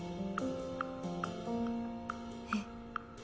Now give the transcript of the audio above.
えっ？